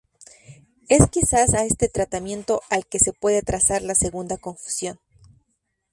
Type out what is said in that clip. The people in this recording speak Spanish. Es quizás a ese tratamiento al que se puede trazar la segunda confusión.